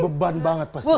beban banget pasti